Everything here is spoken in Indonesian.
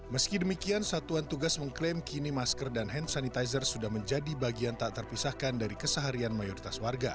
meski demikian satuan tugas mengklaim kini masker dan hand sanitizer sudah menjadi bagian tak terpisahkan dari keseharian mayoritas warga